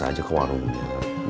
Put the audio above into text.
harganya juga bagus